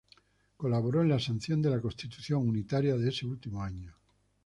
Colaboró en la sanción de la constitución unitaria de ese último año.